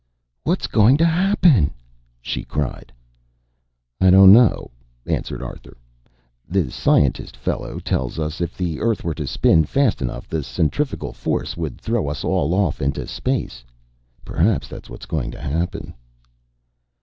"What's going to happen?" she cried. "I don't know," answered Arthur. "The scientist fellows tell us if the earth were to spin fast enough the centrifugal force would throw us all off into space. Perhaps that's what's going to happen."